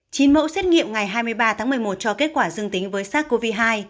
chín mẫu xét nghiệm ngày hai mươi ba tháng một mươi một cho kết quả dương tính với sars cov hai